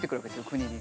国に。